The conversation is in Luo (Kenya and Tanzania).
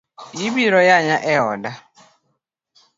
Ibiro yanya e oda .